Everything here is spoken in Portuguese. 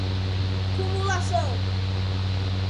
cumulação